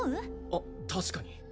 あっ確かに